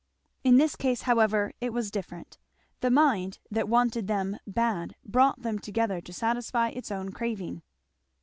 In this case however it was different. The mind that wanted them bad brought them together to satisfy its own craving.